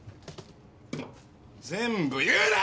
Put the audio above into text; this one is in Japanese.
全部言うな！